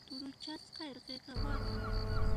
T'uruchasqa irqiqa waqan.